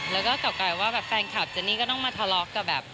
แล้วก็กลับกลายว่าแบบแฟนคลับเจนนี่ก็ต้องมาทะเลาะกับแบบ